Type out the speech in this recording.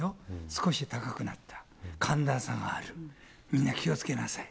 少し高くなった、寒暖差がある、みんな気をつけなさい。